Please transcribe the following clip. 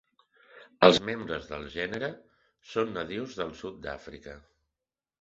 Els membres del gènere són nadius del sud d'Àfrica.